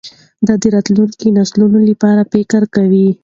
ده د راتلونکو نسلونو لپاره فکر کاوه.